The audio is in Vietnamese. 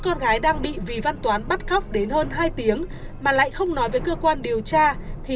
con gái đang bị vì văn toán bắt cóc đến hơn hai tiếng mà lại không nói với cơ quan điều tra thì